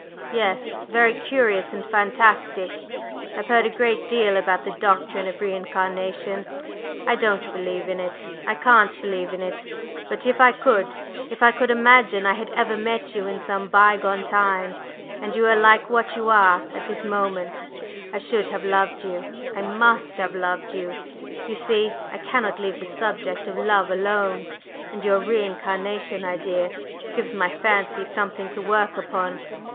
"Yes; very curious and fantastic. I've heard a great deal about the doctrine of re incarnation. I don't believe in it, I can't believe in it! But if I could: if I could imagine I had ever met you in some bygone time, and you were like what you are at this moment, I should have loved you, I must have loved you! You see I cannot leave the subject of love alone; and your re incarnation idea gives my fancy something to work upon.